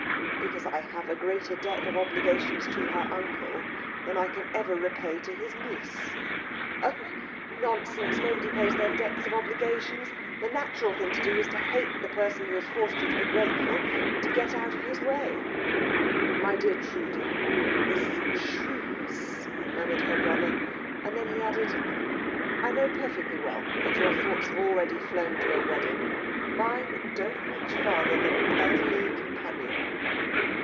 "Because I have a greater debt of obligations to her uncle than I can ever repay to his niece." "Oh, nonsense nobody pays their debts of obligations. The natural thing to do is to hate the person who has forced you to be grateful, and to get out of his way." "My dear Trudi, this shrewdness " murmured her brother. Then he added, "I know perfectly well that your thoughts have already flown to a wedding. Mine don't reach farther than an elderly companion."